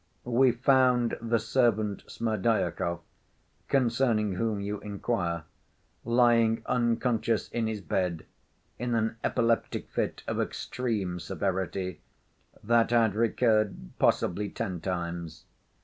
We found the servant Smerdyakov, concerning whom you inquire, lying unconscious in his bed, in an epileptic fit of extreme severity, that had recurred, possibly, ten times.